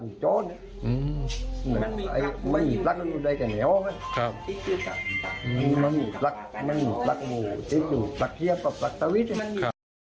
มันมีปลั๊กมันมีปลั๊กมันมีปลั๊ก